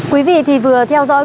quý vị thì vừa theo dõi